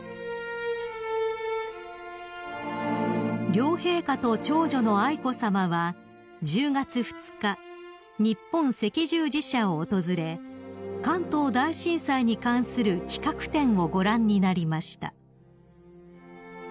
［両陛下と長女の愛子さまは１０月２日日本赤十字社を訪れ関東大震災に関する企画展をご覧になりました］